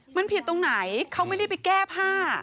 มันผิดตรงไหนเขาไม่ได้ไปแก้ผ้า